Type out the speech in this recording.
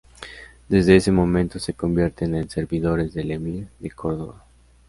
Desde ese momento se convierten en servidores del emir de Córdoba.